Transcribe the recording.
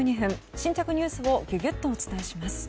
新着ニュースをギュギュッとお伝えします。